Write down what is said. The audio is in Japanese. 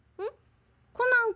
ん？